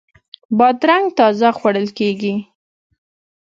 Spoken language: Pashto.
بادرنګ تازه خوړل کیږي.